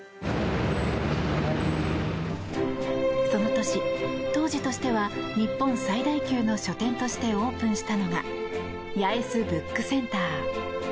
その年、当時としては日本最大級の書店としてオープンしたのが八重洲ブックセンター。